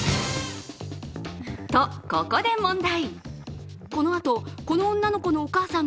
と、ここで問題。